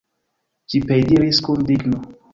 Ĝi piediris kun digno.